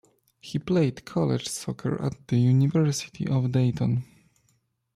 He played college soccer at the University of Dayton.